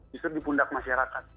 justru di pundak masyarakat